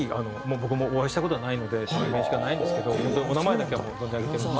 僕もお会いした事はないので面識はないんですけどお名前だけは存じ上げて。